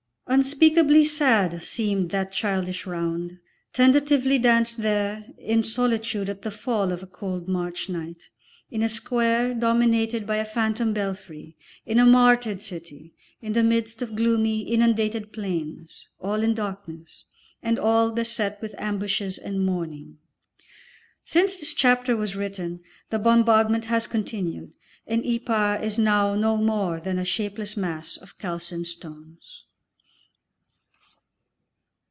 Unspeakably sad seemed that childish round, tentatively danced there in solitude at the fall of a cold March night, in a square dominated by a phantom belfry, in a martyred city, in the midst of gloomy, inundated plains, all in darkness, and all beset with ambushes and mourning. Since this chapter was written the bombardment has continued, and Ypres is now no more than a shapeless mass of calcined stones.